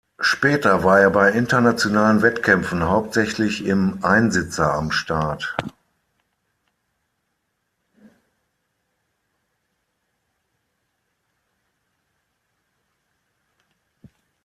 Später war er bei internationalen Wettkämpfen hauptsächlich im Einsitzer am Start.